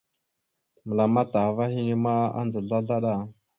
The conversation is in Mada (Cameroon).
Məlam atah ava henne ma, adza slaslaɗa.